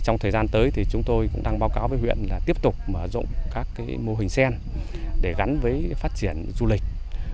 trong thời gian tới thì chúng tôi cũng đang báo cáo với huyện là tiếp tục mở rộng các mô hình sen để gắn với phát triển du lịch